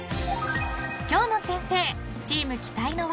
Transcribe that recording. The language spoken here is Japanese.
［今日の先生］